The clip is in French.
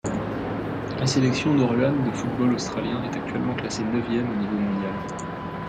La sélection nauruane de football australien est actuellement classée neuvième au niveau mondial.